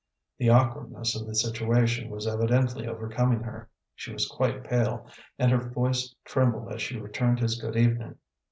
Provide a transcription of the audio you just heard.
The awkwardness of the situation was evidently overcoming her. She was quite pale, and her voice trembled as she returned his good evening.